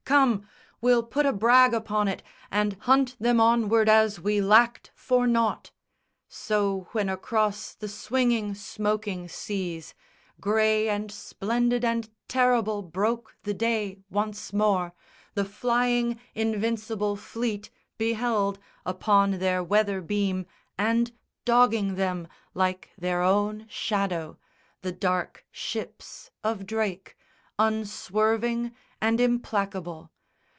Come, we'll put a brag upon it, And hunt them onward as we lacked for nought!" So, when across the swinging smoking seas, Grey and splendid and terrible broke the day Once more, the flying Invincible fleet beheld Upon their weather beam, and dogging them Like their own shadow, the dark ships of Drake, Unswerving and implacable.